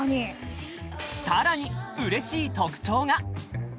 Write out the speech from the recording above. さらに嬉しい特長が！